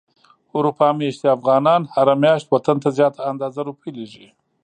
اروپا ميشتي افغانان هره مياشت وطن ته زياته اندازه روپی ليږي.